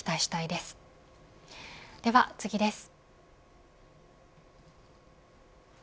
では次です。